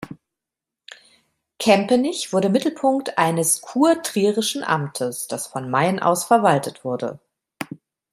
Kempenich wurde Mittelpunkt eines kurtrierischen Amtes, das von Mayen aus verwaltet wurde.